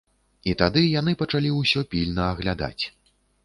І тады яны пачалі ўсё пільна аглядаць.